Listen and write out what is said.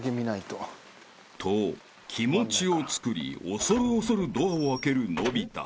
［と気持ちをつくり恐る恐るドアを開けるのび太］